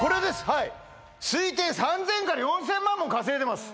はい推定３０００から４０００万も稼いでます